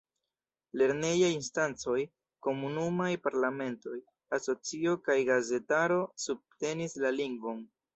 Lernejaj instancoj, komunumaj parlamentoj, asocioj kaj gazetaro subtenis la lingvon.